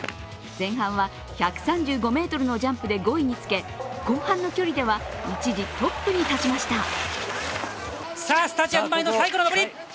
前半は１３５ｍのジャンプで５位につけ後半の距離では、一時トップに立ちました。